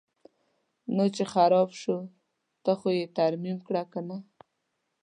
نو چې خراب شو ته خو یې ترمیم کړه کنه.